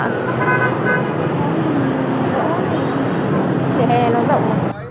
vỉa hè này nó rộng